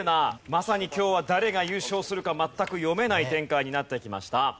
まさに今日は誰が優勝するか全く読めない展開になってきました。